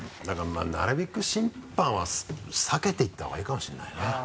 だからなるべく審判は避けていった方がいいかもしれないな。